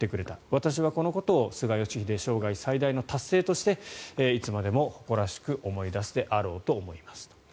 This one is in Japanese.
私はこのことを菅義偉生涯最大の達成としていつまでも誇らしく思い出すであろうと思いますと。